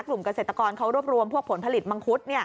เกษตรกรเขารวบรวมพวกผลผลิตมังคุด